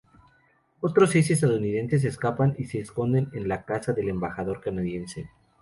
Otros seis estadounidenses escapan y se esconden en la casa del embajador canadiense.